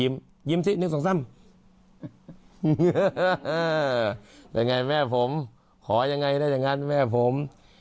ยังไงแม่ผมขอยังไงถ้าอย่างนั้นแม่ผม